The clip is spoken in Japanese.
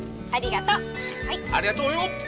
ありがとう。